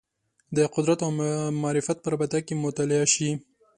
د قدرت او معرفت په رابطه کې مطالعه شي